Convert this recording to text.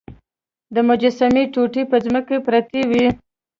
د مجسمې ټوټې په ځمکه پرتې وې.